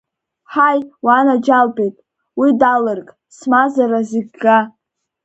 Ҳаи, уанаџьалбеит, уи далырг, смазара зегьы га!